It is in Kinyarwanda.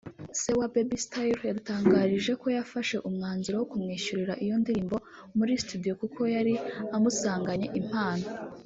Se wa Baby Style yadutangarije ko yafashe umwanzuro wo kumwishyurira iyo ndirimbo muri studio kuko yari amusanganye impano